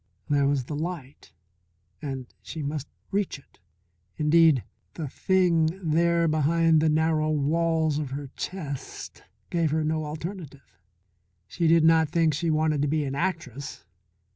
There was the light and she must reach it. Indeed the Thing there behind the narrow walls of her chest gave her no alternative. She did not think she wanted to be an actress.